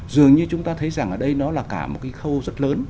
dường như chúng ta thấy rằng ở đây nó là cả một cái khâu rất lớn